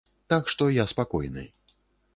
Так што, я спакойны.